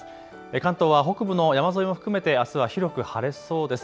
関東は北部の山沿いも含めてあすは広く晴れそうです。